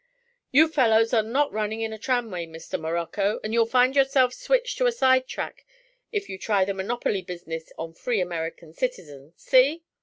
'You fellows are not running in a tramway, Mr. Morocco, and you'll find yourselves switched on to a side track if you try the monopoly business on free American citizens see!'